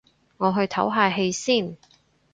我去唞下氣先